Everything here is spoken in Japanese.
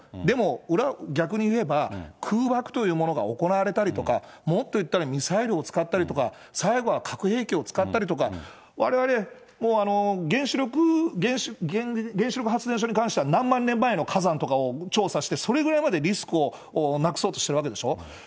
でも、逆に言えば、空爆というものが行われたりとか、もっと言ったらミサイルを使ったりとか、最後は核兵器を使ったりとか、われわれ、もう原子力、原子力発電所に関しては何万年前の火山とかを調査して、それぐらいまでリスクをなくそうとしてるわけでしょう。